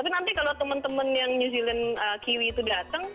tapi nanti kalau temen temen yang new zealand kiwi itu dateng